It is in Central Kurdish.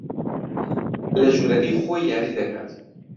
لە ژوورەکەی خۆی یاری دەکات.